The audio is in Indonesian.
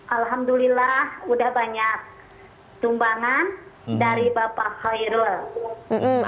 alhamdulillah udah banyak tumbangan dari bapak hoi eroh